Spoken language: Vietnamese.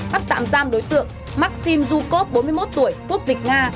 bắt tạm giam đối tượng maxim zhukov bốn mươi một tuổi quốc tịch nga